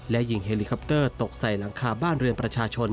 และยิงเฮลิคอปเตอร์ตกใส่หลังคาบ้านเรือนประชาชน